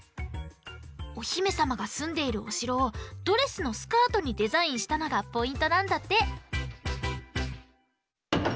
おひめさまがすんでいるおしろをドレスのスカートにデザインしたのがポイントなんだって。